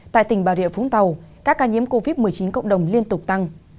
tại tỉnh bà rịa vũng tàu các ca nhiễm covid một mươi chín cộng đồng liên tục tăng